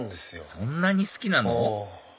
そんなに好きなの？